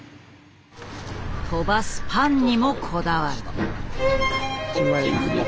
跳ばすパンにもこだわる。